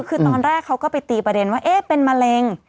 คือตอนแรกเขาก็ไปตีประเด็นว่าเอ๊ะเป็นมะเร็ง